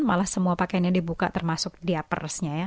malah semua pakaiannya dibuka termasuk diapersnya ya